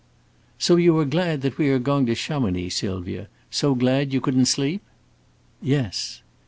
"So you are glad that we are going to Chamonix, Sylvia so glad that you couldn't sleep?" "Yes."